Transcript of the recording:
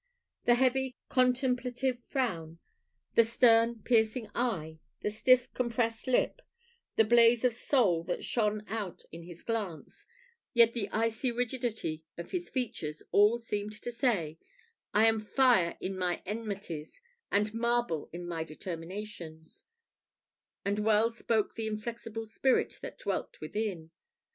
The heavy contemplative frown, the stern piercing eye, the stiff compressed lip, the blaze of soul that shone out in his glance, yet the icy rigidity of his features, all seemed to say, "I am fire in my enmities, and marble in my determinations;" and well spoke the inflexible spirit that dwelt within.